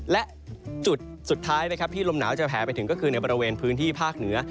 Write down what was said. และจุดสุดท้ายนะครับที่ลมหนาวจะแผลไปถึงก็คือในบริเวณพื้นที่ภาคเหนือ